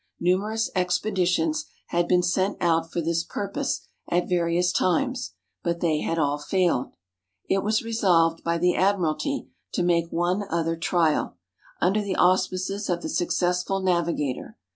Numerous ex peditions had been sent out for this purpose at various times, but they had all failed. It was resolved by the Admiralty to make one other trial, under the auspices of the successful navigator.